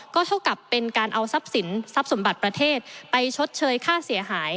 ก็เท่ากับเป็นการเอาทรัพย์สินทรัพย์สมบัติประเทศไปชดเชยค่าเสียหาย